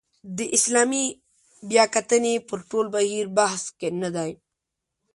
د اسلامي بیاکتنې پر ټول بهیر بحث نه دی.